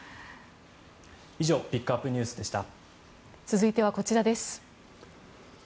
以上ピックアップＮＥＷＳでした。